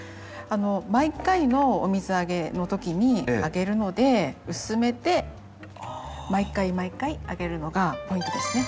毎回のお水あげの時にあげるので薄めて毎回毎回あげるのがポイントですね。